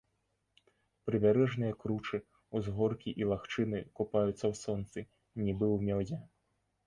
Прыбярэжныя кручы, узгоркі і лагчыны купаюцца ў сонцы, нібы ў мёдзе.